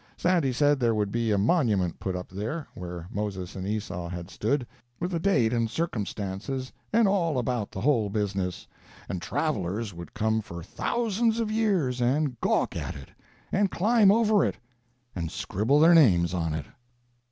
Sandy said there would be a monument put up there, where Moses and Esau had stood, with the date and circumstances, and all about the whole business, and travellers would come for thousands of years and gawk at it, and climb over it, and scribble their names on it.